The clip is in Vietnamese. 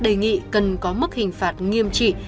đề nghị cần có mức hình phạt nghiêm trị